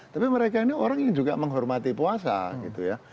tapi mereka ini orang yang juga menghormati puasa gitu ya